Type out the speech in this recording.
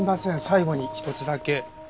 最後に一つだけ。